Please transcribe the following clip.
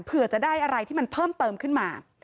เผื่อจะได้อะไรที่มันเพิ่มเติมขึ้นมา